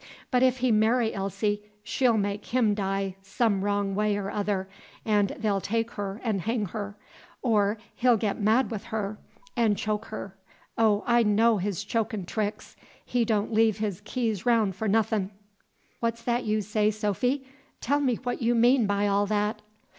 But if he marry Elsie, she 'll make him die some wrong way or other, 'n' they'll take her 'n' hang her, or he'll get mad with her 'n' choke her. Oh, I know his chokin' tricks! he don' leave his keys roun' for nothin.'" "What's that you say, Sophy? Tell me what you mean by all that."